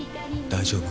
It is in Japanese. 大丈夫。